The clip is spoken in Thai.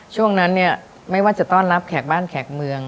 ช่วงนั้นเนี่ยไม่ว่าจะต้อนรับแขกบ้านแขกเมือง